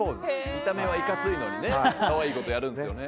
見た目はいかついのに可愛いことやるんですよね。